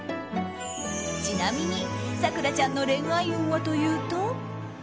ちなみに咲楽ちゃんの恋愛運はというと。